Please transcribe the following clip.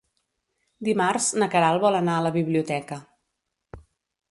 Dimarts na Queralt vol anar a la biblioteca.